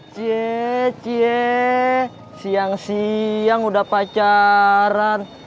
cie cie siang siang udah pacaran